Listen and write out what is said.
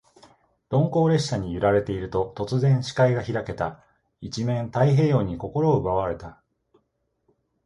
鈍行列車に揺られていると、突然、視界が開けた。一面の太平洋に心を奪われた。